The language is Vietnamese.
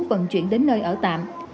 vận chuyển đến nơi ở tạm